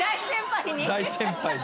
大先輩に？